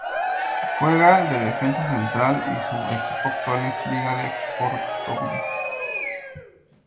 Juega de defensa central y su equipo actual es Liga de Portoviejo.